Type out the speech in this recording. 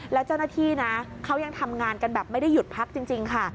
แล้วเจ้าหน้าที่นะเขายังทำงานกันแบบไม่ได้หยุดพักจริงค่ะ